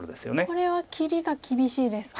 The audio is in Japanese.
これは切りが厳しいですか。